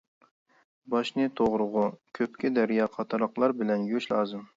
باشنى توغرىغۇ، كۆپىكى دەريا قاتارلىقلار بىلەن يۇيۇش لازىم.